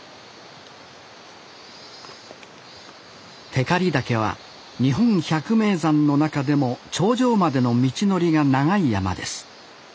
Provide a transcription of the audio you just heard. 光岳は日本百名山の中でも頂上までの道のりが長い山です。